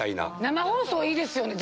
生放送いいですよね。